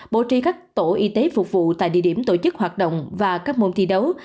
bổ trí các tổ y tế phục vụ tại địa điểm tổ chức hoạt động và các môn thi đấu